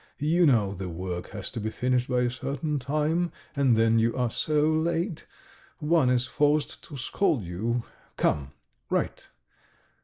... You know the work has to be finished by a certain time, and then you are so late. One is forced to scold you. Come, write